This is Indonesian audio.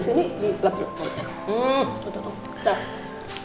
sini di lap lap